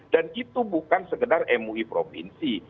dan itu bukan sekedar mui provinsi